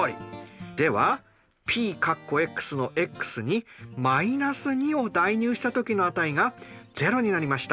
ではＰのｘに−２を代入したときの値が０になりました。